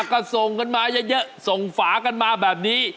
ก็ส่งกันมาเยอะส่งฝากันมาแบบนี้